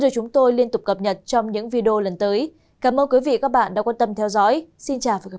cảm ơn các bạn đã theo dõi